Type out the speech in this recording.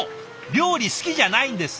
料理好きじゃないんです。